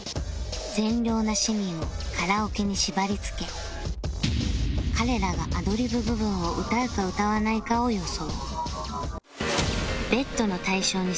善良な市民をカラオケに縛りつけ彼らがアドリブ部分を歌うか歌わないかを予想